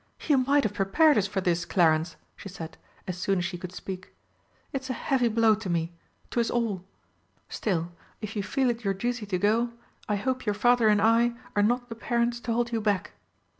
"You might have prepared us for this, Clarence!" she said, as soon as she could speak. "It's a heavy blow to me to us all. Still, if you feel it your duty to go, I hope your Father and I are not the parents to hold you back.